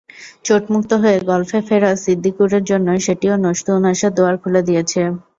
চোটমুক্ত হয়ে গলফে ফেরা সিদ্দিকুরের জন্য সেটিও নতুন আশার দুয়ার খুলে দিয়েছে।